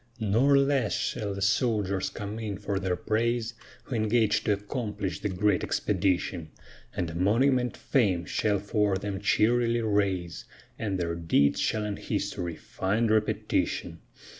Nor less shall the soldiers come in for their praise, Who engaged to accomplish the great expedition; And a monument Fame shall for them cheerily raise, And their deeds shall in history find repetition.